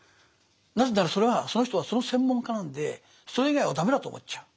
なぜならそれはその人はその専門家なんでそれ以外を駄目だと思っちゃう。